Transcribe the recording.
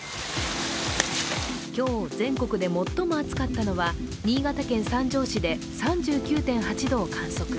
今日、全国で最も暑かったのは新潟県三条市で３９．８度を観測。